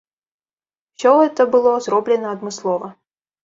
Усё гэта было зроблена адмыслова.